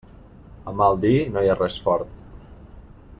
A mal dir no hi ha res fort.